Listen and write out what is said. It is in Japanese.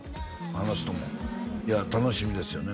あの人もいや楽しみですよね